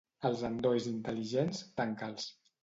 Els endolls intel·ligents, tanca'ls.